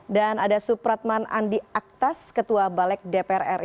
dan ada supratman andi aktas ketua balek dpr ri